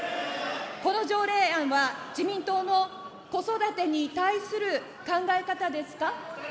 この条例案は、自民党の子育てに対する考え方ですか。